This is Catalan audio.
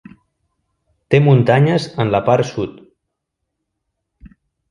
Té muntanyes en la part sud.